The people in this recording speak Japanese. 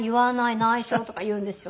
内緒」とか言うんですよ。